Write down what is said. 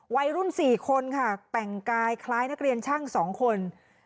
วัยรุ่น๔คนค่ะแต่งกายคล้ายนักเรียนช่าง๒คน